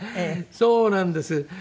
そうなんです。